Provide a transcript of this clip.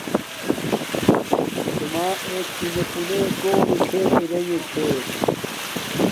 توما ایت چونے پونڎ کونی کھیل ارا او چھوت